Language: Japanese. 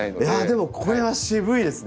でもこれは渋いですね。